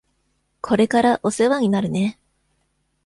これからお世話になるね。